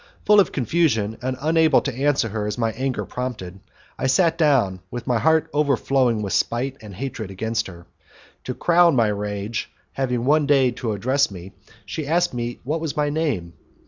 Full of confusion, and unable to answer her as my anger prompted, I sat down, with my heart overflowing with spite and hatred against her. To crown my rage, having one day to address me, she asked me what was my name.